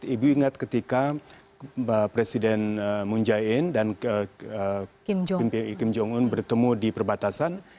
ibu ingat ketika presiden moon jae in dan kim jong un bertemu di perbatasan